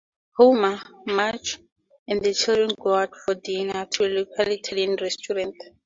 Homer, Marge and the children go out for dinner to the local Italian restaurant.